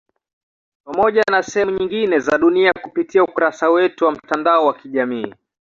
Pamoja na sehemu nyingine za dunia kupitia ukurasa wetu wa mtandao wa kijamii